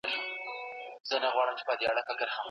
خپله ژبه له ما سره لنډه کړه.